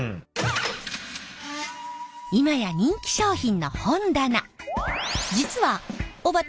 今や人気商品の本棚。